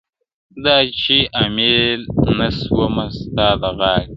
• دا چي امیل نه سومه ستا د غاړي ..